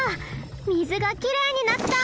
水がきれいになった！